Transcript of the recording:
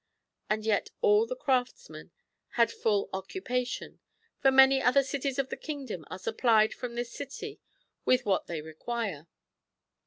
And yet all these craftsmen had full occupa tion, for many other cities of the kingdom are supplied from this city with what they require.